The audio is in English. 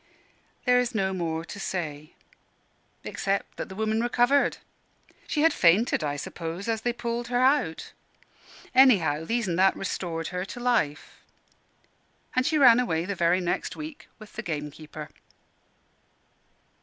There is no more to say, except that the woman recovered. She had fainted, I suppose, as they pulled her out. Anyhow, These an' That restored her to life and she ran away the very next week with the gamekeeper.